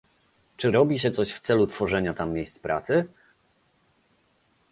Czy robi się coś w celu tworzenia tam miejsc pracy?